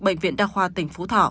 bệnh viện đa khoa tỉnh phú thọ